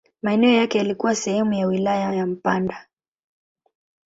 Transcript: Maeneo yake yalikuwa sehemu ya wilaya ya Mpanda.